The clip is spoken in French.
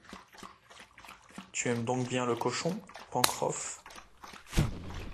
Tu aimes donc bien le cochon, Pencroff ?